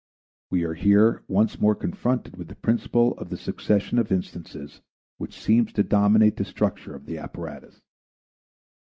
We are here once more confronted with the principle of the succession of instances which seems to dominate the structure of the apparatus.